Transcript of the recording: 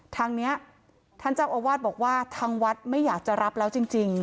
ทางนี้ท่านเจ้าอาวาสบอกว่าทางวัดไม่อยากจะรับแล้วจริง